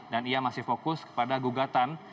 dan ia masih fokus kepada gugatan